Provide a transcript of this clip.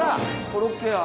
コロッケや。